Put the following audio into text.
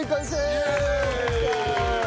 イエーイ！